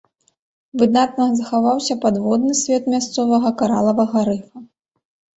Выдатна захаваўся падводны свет мясцовага каралавага рыфа.